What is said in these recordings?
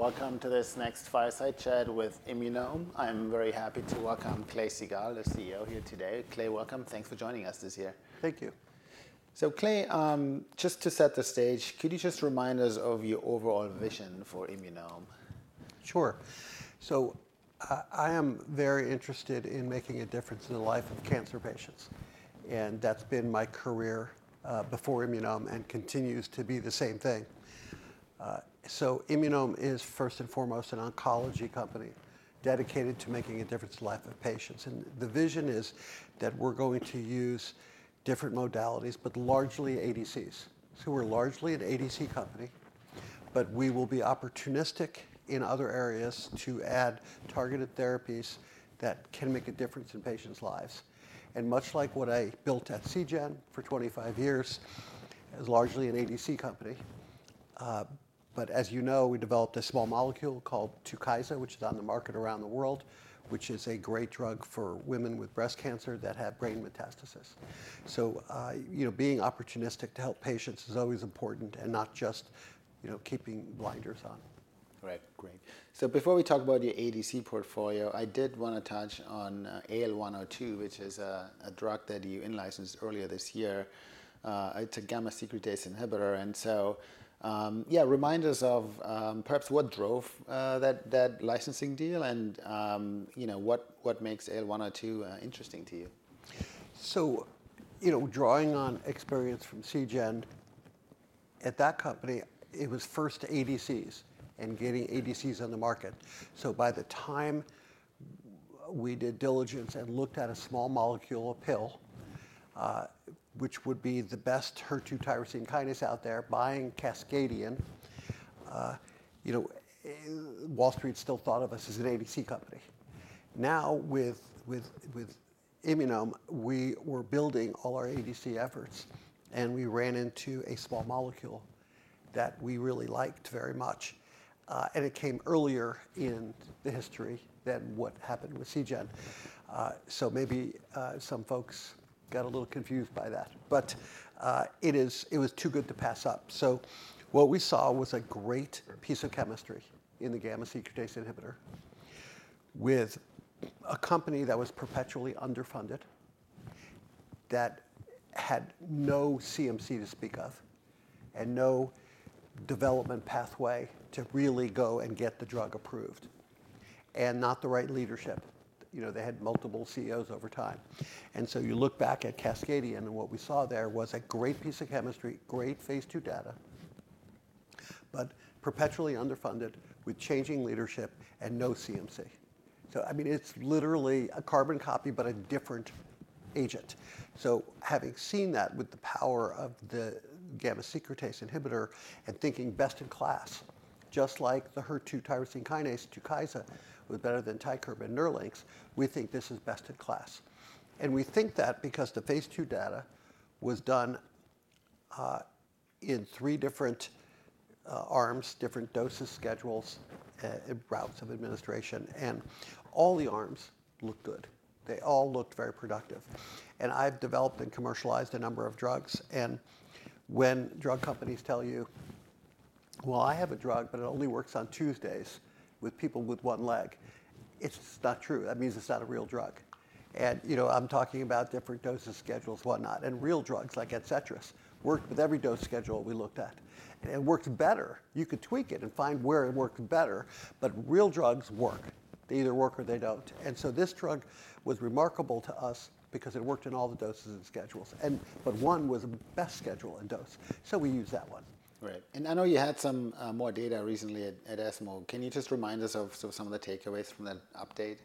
Welcome to this next fireside chat with Immunome. I'm very happy to welcome Clay Siegall, the CEO, here today. Clay, welcome. Thanks for joining us this year. Thank you. So Clay, just to set the stage, could you just remind us of your overall vision for Immunome? Sure, so I am very interested in making a difference in the life of cancer patients, and that's been my career before Immunome and continues to be the same thing. So Immunome is, first and foremost, an oncology company dedicated to making a difference in the life of patients, and the vision is that we're going to use different modalities, but largely ADCs. So we're largely an ADC company, but we will be opportunistic in other areas to add targeted therapies that can make a difference in patients' lives, and much like what I built at Seagen for 25 years, it's largely an ADC company. But as you know, we developed a small molecule called Tukysa, which is on the market around the world, which is a great drug for women with breast cancer that have brain metastasis. So being opportunistic to help patients is always important and not just keeping blinders on. Right. Great. So before we talk about your ADC portfolio, I did want to touch on AL102, which is a drug that you licensed earlier this year. It's a gamma-secretase inhibitor. And so, yeah, remind us of perhaps what drove that licensing deal and what makes AL102 interesting to you? Drawing on experience from Seagen, at that company, it was first ADCs and getting ADCs on the market. So by the time we did diligence and looked at a small molecule or pill, which would be the best HER2 tyrosine kinase out there, buying Cascadian, Wall Street still thought of us as an ADC company. Now, with Immunome, we were building all our ADC efforts, and we ran into a small molecule that we really liked very much. And it came earlier in the history than what happened with Seagen. So maybe some folks got a little confused by that. But it was too good to pass up. What we saw was a great piece of chemistry in the gamma-secretase inhibitor with a company that was perpetually underfunded, that had no CMC to speak of, and no development pathway to really go and get the drug approved, and not the right leadership. They had multiple CEOs over time. And so you look back at Cascadian, and what we saw there was a great piece of chemistry, great phase II data, but perpetually underfunded with changing leadership and no CMC. So I mean, it's literally a carbon copy, but a different agent. So having seen that with the power of the gamma-secretase inhibitor and thinking best in class, just like the HER2 tyrosine kinase, Tukysa, was better than Tykerb and Nerlynx, we think this is best in class. We think that because the phase II data was done in three different arms, different dose schedules, and routes of administration. All the arms looked good. They all looked very productive. I've developed and commercialized a number of drugs. When drug companies tell you, "Well, I have a drug, but it only works on Tuesdays with people with one leg," it's not true. That means it's not a real drug. I'm talking about different dose schedules, whatnot. Real drugs like ADCETRIS worked with every dose schedule we looked at. It worked better. You could tweak it and find where it worked better. Real drugs work. They either work or they don't. This drug was remarkable to us because it worked in all the doses and schedules. One was the best schedule and dose. We used that one. Right. And I know you had some more data recently at ESMO. Can you just remind us of some of the takeaways from that update?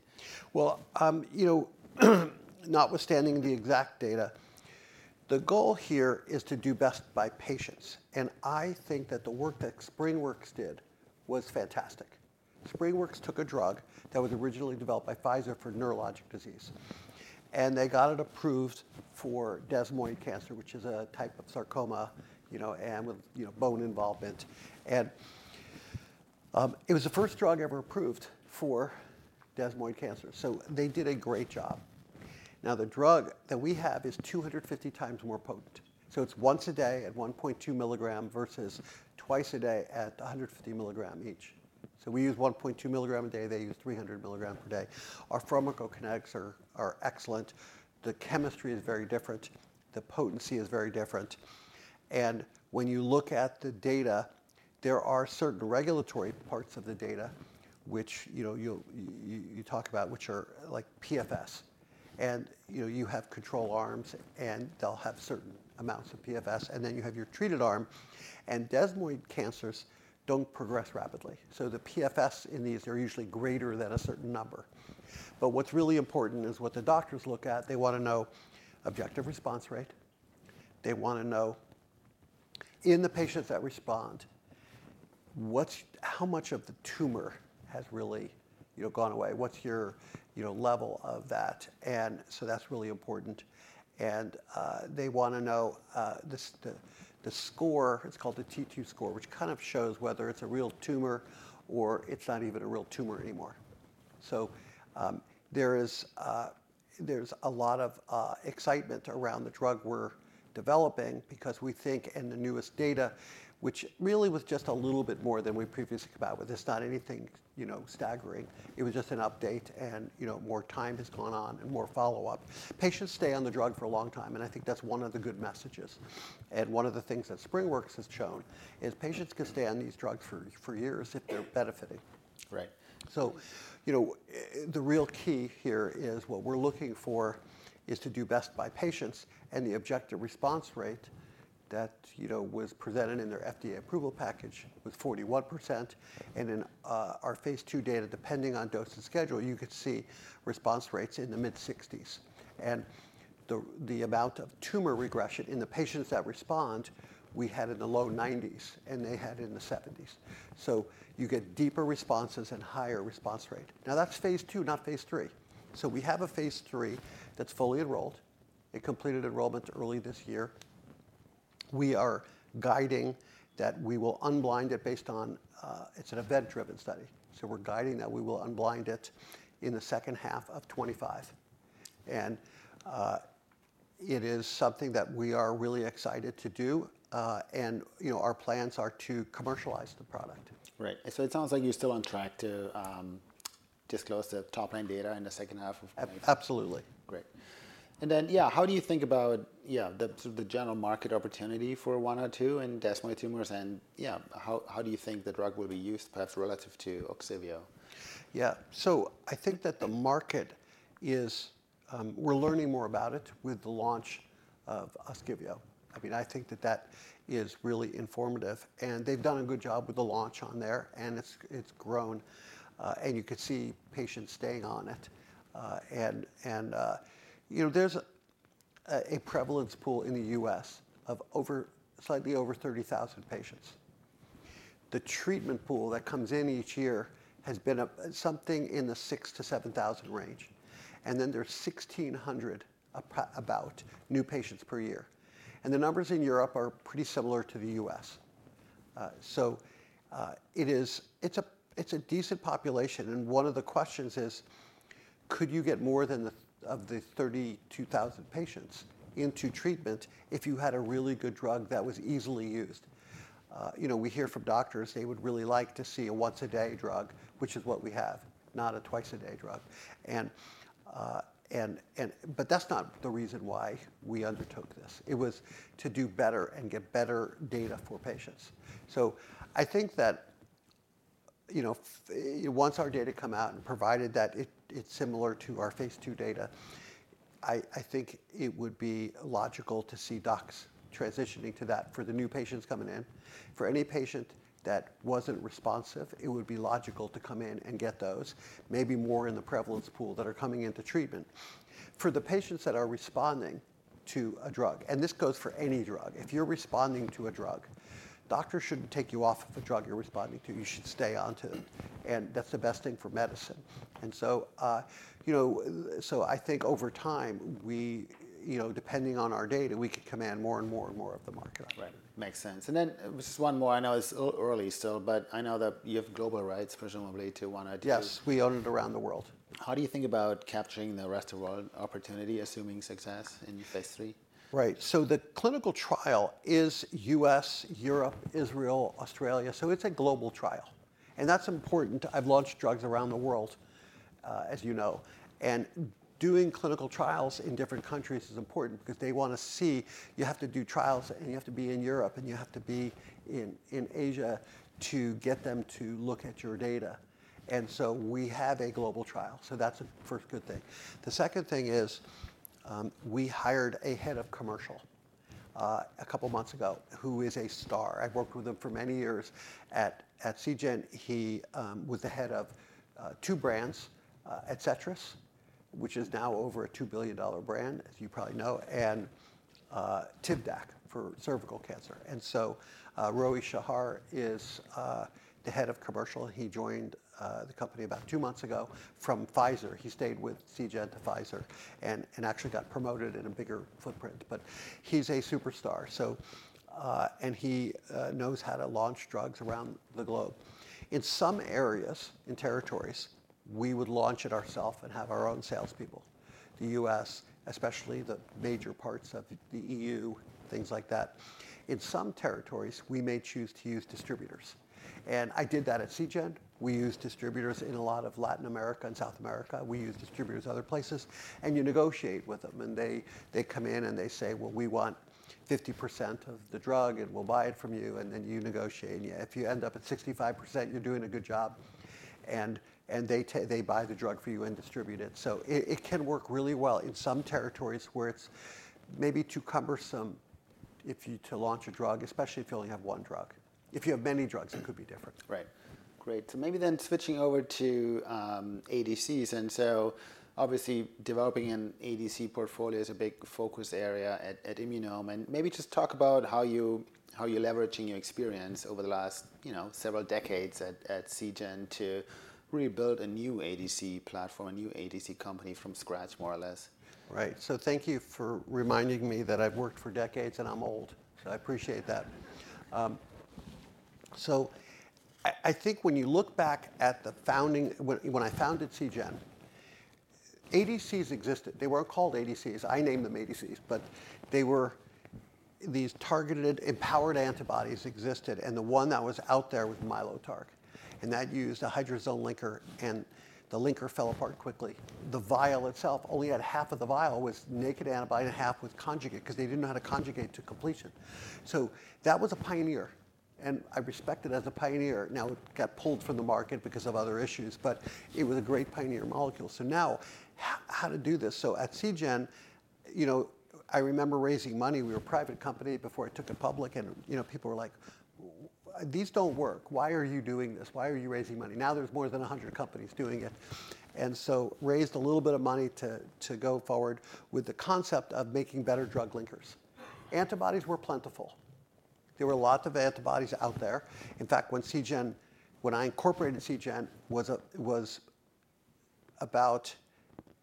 Notwithstanding the exact data, the goal here is to do best by patients. I think that the work that SpringWorks did was fantastic. SpringWorks took a drug that was originally developed by Pfizer for neurologic disease. They got it approved for desmoid cancer, which is a type of sarcoma and with bone involvement. It was the first drug ever approved for desmoid cancer. They did a great job. The drug that we have is 250x more potent. It's once a day at 1.2 mgm versus twice a day at 150 mg each. We use 1.2 mg a day. They use 300 mg per day. Our pharmacokinetics are excellent. The chemistry is very different. The potency is very different. When you look at the data, there are certain regulatory parts of the data, which you talk about, which are like PFS. And you have control arms, and they'll have certain amounts of PFS. And then you have your treated arm. And desmoid cancers don't progress rapidly. So the PFS in these are usually greater than a certain number. But what's really important is what the doctors look at. They want to know objective response rate. They want to know, in the patients that respond, how much of the tumor has really gone away? What's your level of that? And so that's really important. And they want to know the score. It's called the T2 score, which kind of shows whether it's a real tumor or it's not even a real tumor anymore. So there's a lot of excitement around the drug we're developing because we think, in the newest data, which really was just a little bit more than we previously thought, but it's not anything staggering. It was just an update, and more time has gone on and more follow-up. Patients stay on the drug for a long time, and I think that's one of the good messages, and one of the things that SpringWorks has shown is patients can stay on these drugs for years if they're benefiting. Right. So the real key here is what we're looking for is to do best by patients. And the objective response rate that was presented in their FDA approval package was 41%. And in our phase II data, depending on dose and schedule, you could see response rates in the mid-60s. And the amount of tumor regression in the patients that respond, we had in the low 90s, and they had in the 70s. So you get deeper responses and higher response rate. Now, that's phase II, not phase III. So we have a phase III that's fully enrolled. It completed enrollment early this year. We are guiding that we will unblind it, based on it's an event-driven study. So we're guiding that we will unblind it in the second half of 2025. And it is something that we are really excited to do. Our plans are to commercialize the product. Right. So it sounds like you're still on track to disclose the top-line data in the second half of 2025. Absolutely. Great. And then, yeah, how do you think about the general market opportunity for 102 and desmoid tumors? And yeah, how do you think the drug will be used, perhaps relative to OGSIVEO? Yeah. So I think that the market is we're learning more about it with the launch of OGSIVEO. I mean, I think that that is really informative. And they've done a good job with the launch on there. And it's grown. And you could see patients staying on it. And there's a prevalence pool in the U.S. of slightly over 30,000 patients. The treatment pool that comes in each year has been something in the 6,000-7,000 range. And then there's about 1,600 new patients per year. And the numbers in Europe are pretty similar to the U.S. So it's a decent population. And one of the questions is, could you get more of the 32,000 patients into treatment if you had a really good drug that was easily used? We hear from doctors they would really like to see a once-a-day drug, which is what we have, not a twice-a-day drug. But that's not the reason why we undertook this. It was to do better and get better data for patients. So I think that once our data come out and provided that it's similar to our phase II data, I think it would be logical to see docs transitioning to that for the new patients coming in. For any patient that wasn't responsive, it would be logical to come in and get those, maybe more in the prevalence pool that are coming into treatment. For the patients that are responding to a drug, and this goes for any drug, if you're responding to a drug, doctors shouldn't take you off of a drug you're responding to. You should stay onto it. And that's the best thing for medicine. I think over time, depending on our data, we could command more and more and more of the market. Right. Makes sense. And then just one more. I know it's early still, but I know that you have global rights, presumably, to 102. Yes. We own it around the world. How do you think about capturing the rest of the world opportunity, assuming success in phase III? Right. So the clinical trial is US, Europe, Israel, Australia. So it's a global trial. And that's important. I've launched drugs around the world, as you know. And doing clinical trials in different countries is important because they want to see you have to do trials, and you have to be in Europe, and you have to be in Asia to get them to look at your data. And so we have a global trial. So that's the first good thing. The second thing is we hired a head of commercial a couple of months ago who is a star. I've worked with him for many years at Seagen. He was the head of two brands, ADCETRIS, which is now over a $2 billion brand, as you probably know, and Tivdak for cervical cancer. And so Roi Shahar is the head of commercial. He joined the company about two months ago from Pfizer. He stayed with Seagen to Pfizer and actually got promoted in a bigger footprint. But he's a superstar. And he knows how to launch drugs around the globe. In some areas, in territories, we would launch it ourselves and have our own salespeople. The U.S., especially the major parts of the EU, things like that. In some territories, we may choose to use distributors. And I did that at Seagen. We used distributors in a lot of Latin America and South America. We used distributors in other places. And you negotiate with them. And they come in, and they say, "Well, we want 50% of the drug, and we'll buy it from you." And then you negotiate. And if you end up at 65%, you're doing a good job. And they buy the drug for you and distribute it. It can work really well in some territories where it's maybe too cumbersome to launch a drug, especially if you only have one drug. If you have many drugs, it could be different. Right. Great. So maybe then switching over to ADCs. And so obviously, developing an ADC portfolio is a big focus area at Immunome. And maybe just talk about how you're leveraging your experience over the last several decades at Seagen to really build a new ADC platform, a new ADC company from scratch, more or less. Right. So thank you for reminding me that I've worked for decades, and I'm old. So I appreciate that. So I think when you look back at the founding when I founded Seagen, ADCs existed. They weren't called ADCs. I named them ADCs. But these targeted, empowered antibodies existed. And the one that was out there was Mylotarg. And that used a hydrazone linker. And the linker fell apart quickly. The vial itself, only half of the vial was naked antibody and half was conjugate because they didn't know how to conjugate to completion. So that was a pioneer. And I respect it as a pioneer. Now, it got pulled from the market because of other issues. But it was a great pioneer molecule. So now, how to do this? So at Seagen, I remember raising money. We were a private company before we took it public. People were like, "These don't work. Why are you doing this? Why are you raising money?" Now, there's more than 100 companies doing it. Raised a little bit of money to go forward with the concept of making better drug linkers. Antibodies were plentiful. There were lots of antibodies out there. In fact, when I incorporated Seagen was about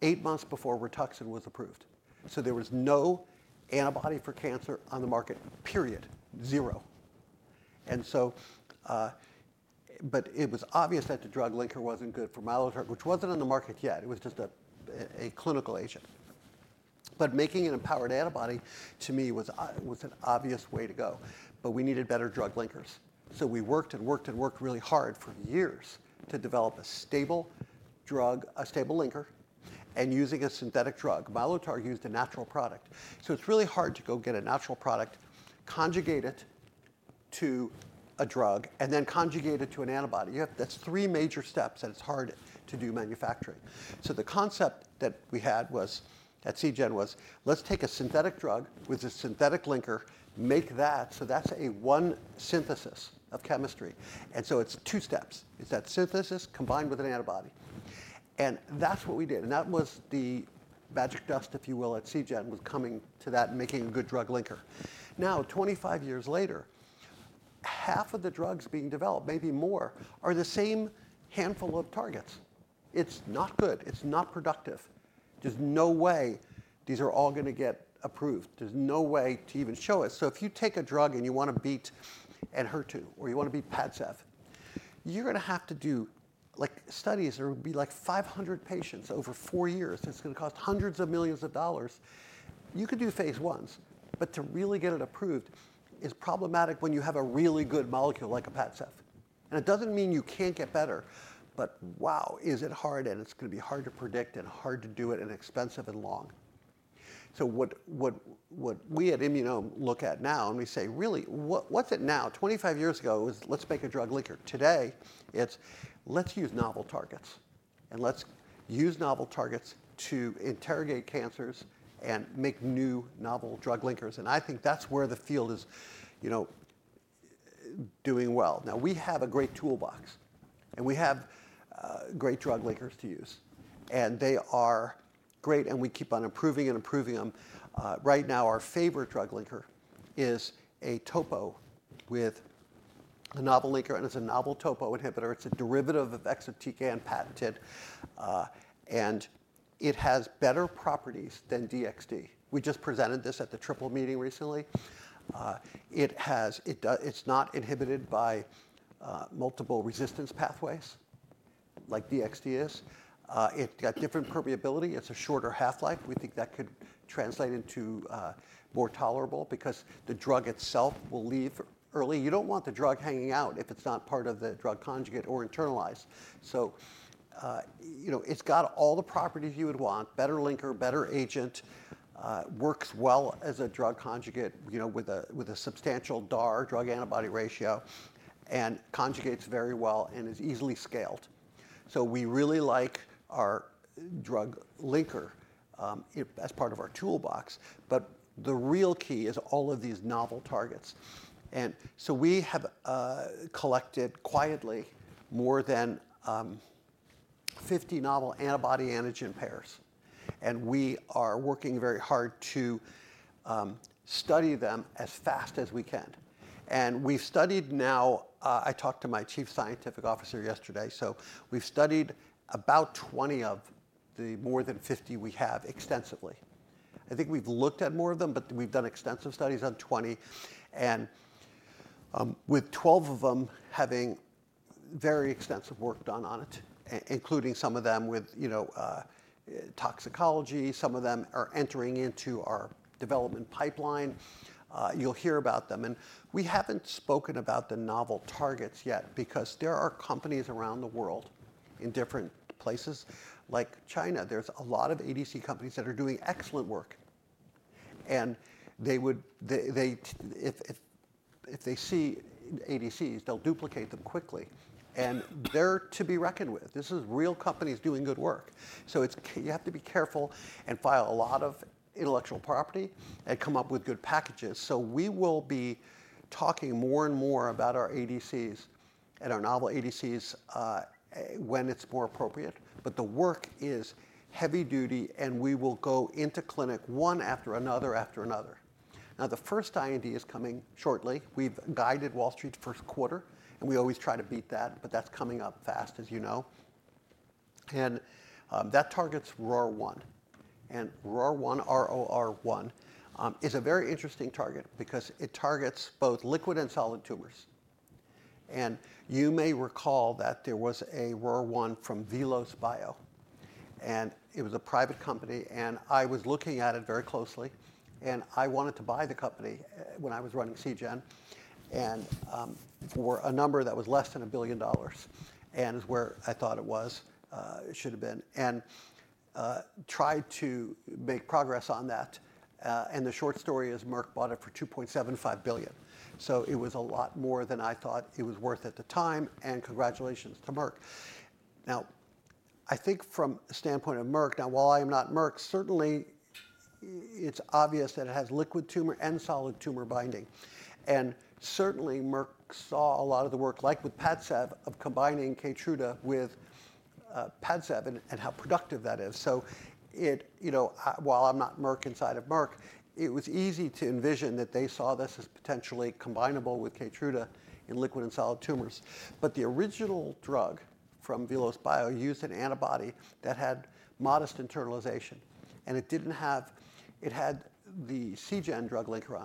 eight months before Rituxan was approved. There was no antibody for cancer on the market, period, zero. It was obvious that the drug linker wasn't good for Mylotarg, which wasn't on the market yet. It was just a clinical agent. Making an empowered antibody, to me, was an obvious way to go. We needed better drug linkers. We worked and worked and worked really hard for years to develop a stable drug, a stable linker, and using a synthetic drug. Mylotarg used a natural product. So it's really hard to go get a natural product, conjugate it to a drug, and then conjugate it to an antibody. That's three major steps that it's hard to do manufacturing. So the concept that we had at Seagen was, let's take a synthetic drug with a synthetic linker, make that. So that's a one synthesis of chemistry. And so it's two steps. It's that synthesis combined with an antibody. And that was the magic dust, if you will, at Seagen, was coming to that and making a good drug linker. Now, 25 years later, half of the drugs being developed, maybe more, are the same handful of targets. It's not good. It's not productive. There's no way these are all going to get approved. There's no way to even show it. So if you take a drug and you want to beat an HER2, or you want to beat PFS, you're going to have to do studies that will be like 500 patients over four years. It's going to cost hundreds of millions of dollars. You could do phase ones. But to really get it approved is problematic when you have a really good molecule like a PFS. And it doesn't mean you can't get better. But wow, is it hard. And it's going to be hard to predict and hard to do it and expensive and long. So what we at Immunome look at now, and we say, really, what's it now? 25 years ago, it was, let's make a drug linker. Today, it's, let's use novel targets. And let's use novel targets to interrogate cancers and make new novel drug linkers. I think that's where the field is doing well. Now, we have a great toolbox. And we have great drug linkers to use. And they are great. And we keep on improving and improving them. Right now, our favorite drug linker is a topo with a novel linker. And it's a novel topo inhibitor. It's a derivative of exatecan and patented. And it has better properties than DXd. We just presented this at the Triple Meeting recently. It's not inhibited by multiple resistance pathways like DXd is. It's got different permeability. It's a shorter half-life. We think that could translate into more tolerable because the drug itself will leave early. You don't want the drug hanging out if it's not part of the drug conjugate or internalized. So it's got all the properties you would want: better linker, better agent, works well as a drug conjugate with a substantial DAR drug antibody ratio, and conjugates very well and is easily scaled. So we really like our drug linker as part of our toolbox. But the real key is all of these novel targets. And so we have collected quietly more than 50 novel antibody-antigen pairs. And we are working very hard to study them as fast as we can. And we've studied. Now I talked to my chief scientific officer yesterday. So we've studied about 20 of the more than 50 we have extensively. I think we've looked at more of them, but we've done extensive studies on 20. And with 12 of them having very extensive work done on it, including some of them with toxicology, some of them are entering into our development pipeline. You'll hear about them. And we haven't spoken about the novel targets yet because there are companies around the world in different places, like China. There's a lot of ADC companies that are doing excellent work. And if they see ADCs, they'll duplicate them quickly. And they're to be reckoned with. This is real companies doing good work. So you have to be careful and file a lot of intellectual property and come up with good packages. So we will be talking more and more about our ADCs and our novel ADCs when it's more appropriate. But the work is heavy duty. And we will go into clinic one after another after another. Now, the first IND is coming shortly. We've guided Wall Street first quarter, and we always try to beat that. But that's coming up fast, as you know, and that targets ROR1. ROR1, R-O-R-1, is a very interesting target because it targets both liquid and solid tumors. You may recall that there was a ROR1 from VelosBio, and it was a private company. I was looking at it very closely, and I wanted to buy the company when I was running Seagen for a number that was less than $1 billion. And it's where I thought it was, it should have been, and tried to make progress on that. The short story is Merck bought it for $2.75 billion, so it was a lot more than I thought it was worth at the time, and congratulations to Merck. Now, I think from the standpoint of Merck, now, while I am not Merck, certainly it's obvious that it has liquid tumor and solid tumor binding. And certainly, Merck saw a lot of the work, like with ADCs, of combining Keytruda with ADCs and how productive that is. So while I'm not Merck inside of Merck, it was easy to envision that they saw this as potentially combinable with Keytruda in liquid and solid tumors. But the original drug from VelosBio used an antibody that had modest internalization. And it had the Seagen drug linker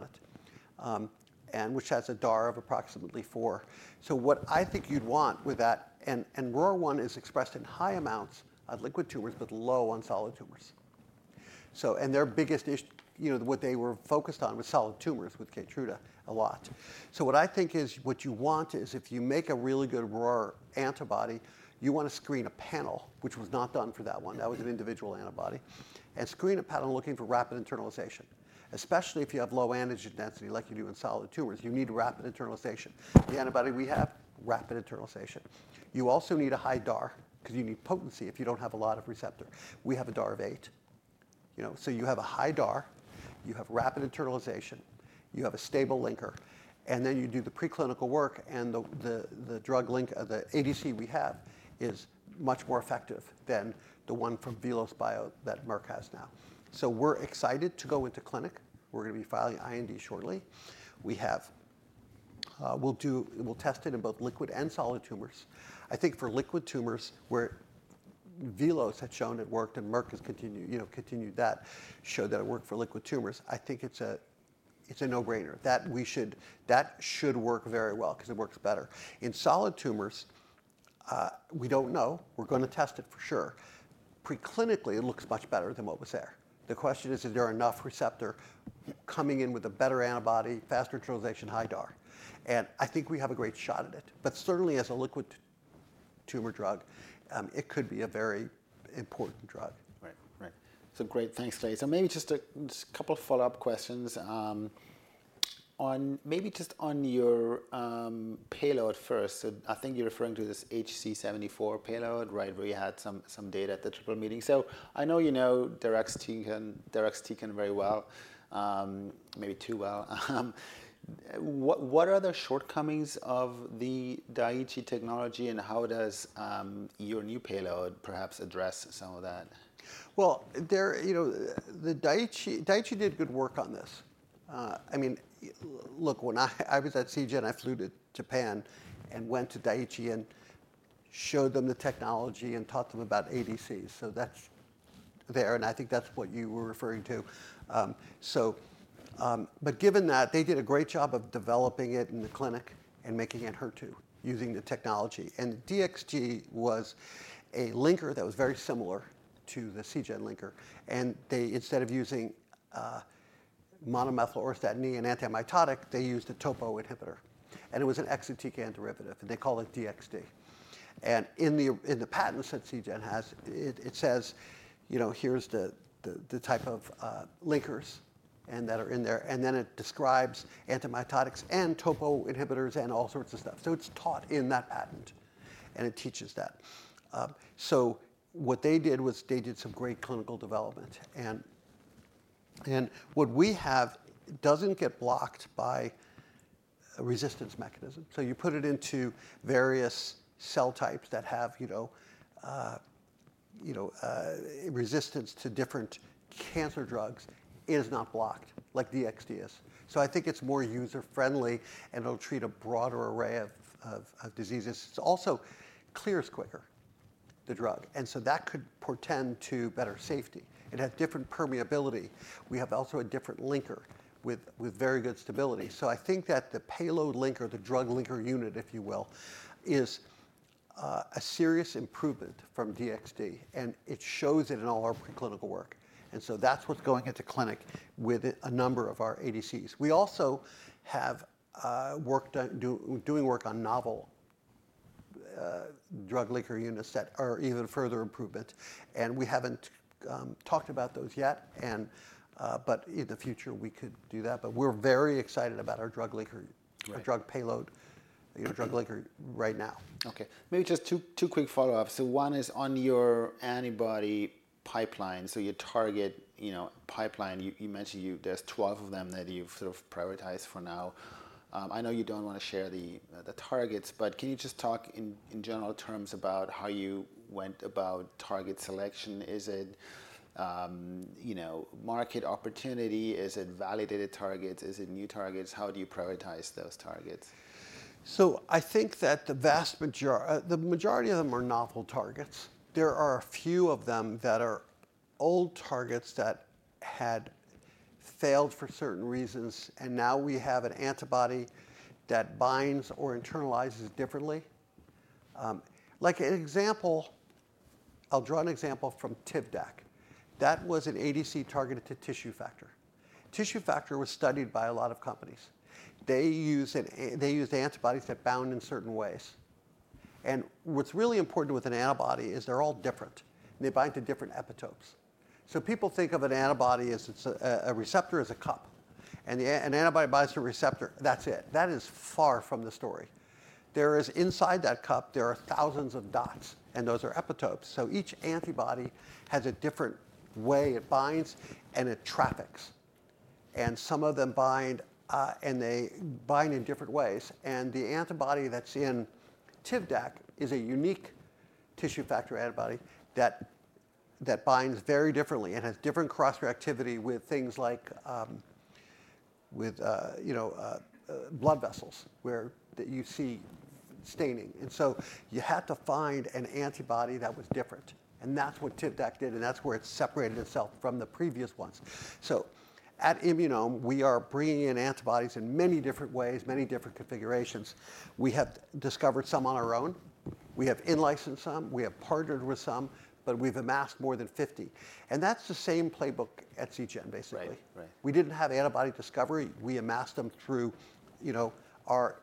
on it, which has a DAR of approximately four. So what I think you'd want with that, and ROR1 is expressed in high amounts of liquid tumors but low on solid tumors. And their biggest issue, what they were focused on, was solid tumors with Keytruda a lot. So what I think is what you want is if you make a really good ROR antibody, you want to screen a panel, which was not done for that one. That was an individual antibody, and screen a panel looking for rapid internalization, especially if you have low antigen density like you do in solid tumors. You need rapid internalization. The antibody we have, rapid internalization. You also need a high DAR because you need potency if you don't have a lot of receptor. We have a DAR of eight. So you have a high DAR. You have rapid internalization. You have a stable linker. And then you do the preclinical work. And the drug link, the ADC we have is much more effective than the one from VelosBio that Merck has now. So we're excited to go into clinic. We're going to be filing IND shortly. We'll test it in both liquid and solid tumors. I think for liquid tumors, where Velos had shown it worked and Merck has continued that, showed that it worked for liquid tumors, I think it's a no-brainer that we should work very well because it works better. In solid tumors, we don't know. We're going to test it for sure. Preclinically, it looks much better than what was there. The question is, is there enough receptor coming in with a better antibody, faster internalization, high DAR, and I think we have a great shot at it, but certainly, as a liquid tumor drug, it could be a very important drug. Right. Right. So great. Thanks, Clay. So maybe just a couple of follow-up questions on maybe just on your payload first. So I think you're referring to this HC74 payload, right, where you had some data at the Triple Meetingg. So I know you know DXd tech very well, maybe too well. What are the shortcomings of the Daiichi technology? And how does your new payload perhaps address some of that? The Daiichi did good work on this. I mean, look, when I was at Seagen, I flew to Japan and went to Daiichi and showed them the technology and taught them about ADC. So that's there. And I think that's what you were referring to. But given that, they did a great job of developing it in the clinic and making it HER2 using the technology. And DXd was a linker that was very similar to the Seagen linker. And instead of using monomethyl auristatin E and antimitotic, they used a topo inhibitor. And it was an Exatecan derivative. And they call it DXd. And in the patents that Seagen has, it says, here's the type of linkers that are in there. And then it describes antimitotics and topo inhibitors and all sorts of stuff. So it's taught in that patent. And it teaches that. So what they did was they did some great clinical development. And what we have doesn't get blocked by resistance mechanism. So you put it into various cell types that have resistance to different cancer drugs. It is not blocked like DXd is. So I think it's more user-friendly. And it'll treat a broader array of diseases. It's also clearance is quicker, the drug. And so that could portend to better safety. It has different permeability. We have also a different linker with very good stability. So I think that the payload linker, the drug linker unit, if you will, is a serious improvement from DXd. And it shows it in all our preclinical work. And so that's what's going into clinic with a number of our ADCs. We also have work on novel drug linker units that are even further improvement. And we haven't talked about those yet. But in the future, we could do that. But we're very excited about our drug linker, our drug payload, drug linker right now. OK. Maybe just two quick follow-ups. So one is on your antibody pipeline. So your target pipeline, you mentioned there's 12 of them that you've sort of prioritized for now. I know you don't want to share the targets. But can you just talk in general terms about how you went about target selection? Is it market opportunity? Is it validated targets? Is it new targets? How do you prioritize those targets? So I think that the vast majority of them are novel targets. There are a few of them that are old targets that had failed for certain reasons. And now we have an antibody that binds or internalizes differently. Like an example, I'll draw an example from Tivdak. That was an ADC targeted to tissue factor. Tissue factor was studied by a lot of companies. They used antibodies that bound in certain ways. And what's really important with an antibody is they're all different. And they bind to different epitopes. So people think of an antibody as a receptor is a cup. And an antibody binds a receptor. That's it. That is far from the story. Inside that cup, there are thousands of dots. And those are epitopes. So each antibody has a different way it binds and it traffics. And some of them bind, and they bind in different ways. And the antibody that's in Tivdak is a unique tissue factor antibody that binds very differently and has different cross-reactivity with things like blood vessels where you see staining. And so you had to find an antibody that was different. And that's what Tivdak did. And that's where it separated itself from the previous ones. So at Immunome, we are bringing in antibodies in many different ways, many different configurations. We have discovered some on our own. We have in-licensed some. We have partnered with some. But we've amassed more than 50. And that's the same playbook at Seagen, basically. We didn't have antibody discovery. We amassed them through our.